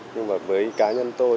nhưng mà với cá nhân tôi